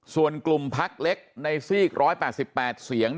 ส่วนกลุ่มพักเล็กในซีก๑๘๘เสียง